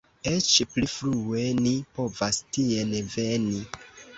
Eĉ pli frue ni povas tien veni!